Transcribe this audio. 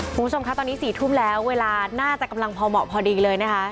คุณผู้ชมคะตอนนี้๔ทุ่มแล้วเวลาน่าจะกำลังพอเหมาะพอดีเลยนะคะ